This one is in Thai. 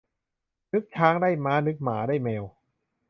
นึกช้างได้ม้า นึกหมาได้แมว